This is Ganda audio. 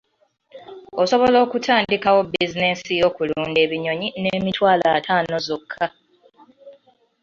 Osobola okutandikawo bizinensi y'okulunda ebinyonyi n'emitwalo ataano zokka.